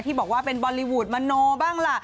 ที่บอกว่าเป็นบริวุธมโนบ้างล่ะ